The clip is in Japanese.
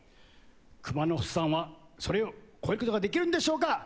熊之細さんはそれを超えることができるんでしょうか？